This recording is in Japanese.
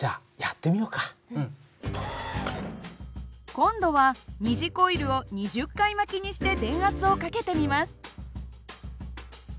今度は二次コイルを２０回巻きにして電圧をかけてみます。